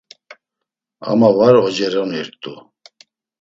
Ama var oceronirt̆u.